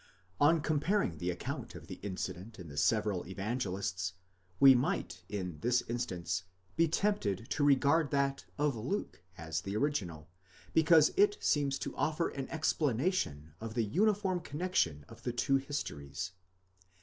On comparing the account of the incident in the several Evangelists, we might in this instance be tempted to regard that of Luke as the original, because it seems to offer an explanation of the uniform connexion of the two histories.